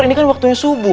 ini kan waktunya subuh